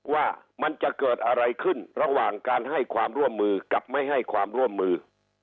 ว่ามันจะเกิดอะไรขึ้นระหว่างการให้ความร่วมมือกับไม่ให้ความร่วมมือ